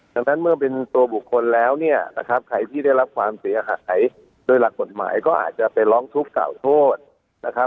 ดังนั้นเมื่อเป็นตัวบุคคลแล้วเนี่ยนะครับใครที่ได้รับความเสียหายโดยหลักกฎหมายก็อาจจะไปร้องทุกข์กล่าวโทษนะครับ